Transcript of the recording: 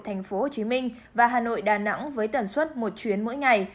thành phố hồ chí minh và hà nội đà nẵng với tản xuất một chuyến mỗi ngày